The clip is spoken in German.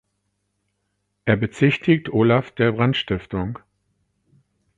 Er bezichtigt Olaf der Brandstiftung.